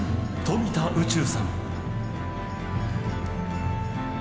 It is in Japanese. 「富田宇宙さん」。